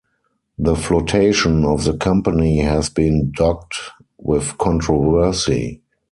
The flotation of the company has been dogged with controversy.